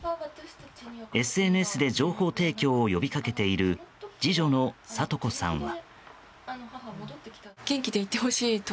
ＳＮＳで情報提供を呼び掛けている次女の聡子さんは。